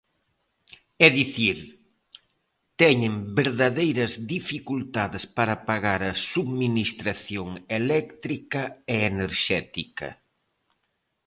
É dicir, teñen verdadeiras dificultades para pagar a subministración eléctrica e enerxética.